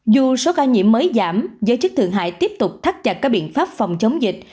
dù số ca nhiễm mới giảm giới chức thượng hải tiếp tục thắt chặt các biện pháp phòng chống dịch